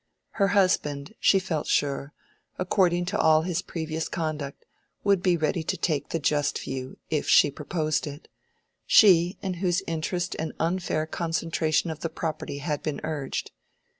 Her husband, she felt sure, according to all his previous conduct, would be ready to take the just view, if she proposed it—she, in whose interest an unfair concentration of the property had been urged.